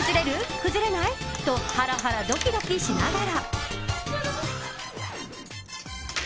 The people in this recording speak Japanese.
崩れない？とハラハラドキドキしながら。